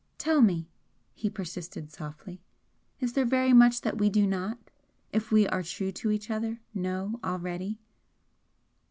"Tell me," he persisted, softly "Is there very much that we do not, if we are true to each other, know already?"